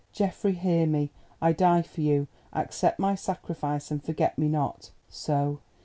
"Geoffrey, hear me—I die for you; accept my sacrifice, and forget me not." So!